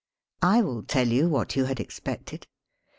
. I will tell you what you had expected.